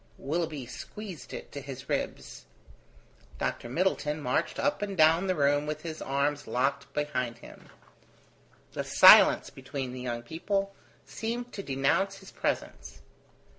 Willoughby squeezed it to his ribs. Dr. Middleton marched up and down the room with his arms locked behind him. The silence between the young people seemed to denounce his presence.